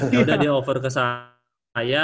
yaudah dia over ke saya